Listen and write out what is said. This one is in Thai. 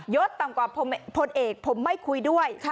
ต่ำกว่าพลเอกผมไม่คุยด้วย